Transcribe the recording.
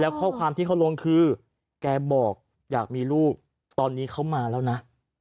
ข้อความที่เขาลงคือแกบอกอยากมีลูกตอนนี้เขามาแล้วนะ